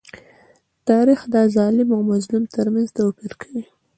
تاریخ د ظالم او مظلوم تر منځ توپير کوي.